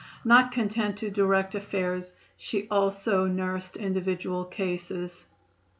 Not content to direct affairs, she also nursed individual cases.